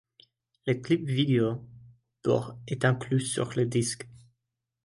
Le clip vidéo pour ' est inclus sur le disque.